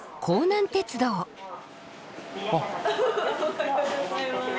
おはようございます。